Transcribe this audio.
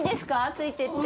ついてって。